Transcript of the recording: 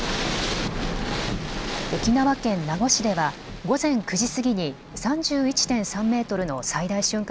沖縄県名護市では午前９時過ぎに３１．３メートルの最大瞬間